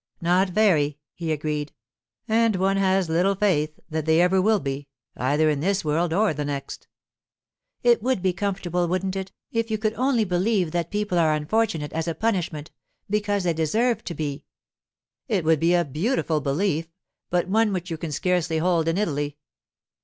'Not very,' he agreed; 'and one has little faith that they ever will be—either in this world or the next.' 'It would be comfortable, wouldn't it, if you could only believe that people are unfortunate as a punishment—because they deserve to be.' 'It would be a beautiful belief, but one which you can scarcely hold in Italy.